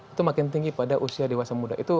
itu makin tinggi pada usia dewasa muda